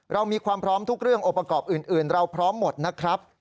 เรามีความพร้อมทุกเรื่ององค์ประกอบอื่นเราพร้อมหมดนะครับ